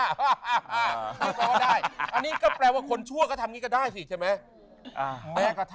อันนี้ก็แปลว่าคนชั่วก็ทำงี้ก็ได้สิใช่มั้ย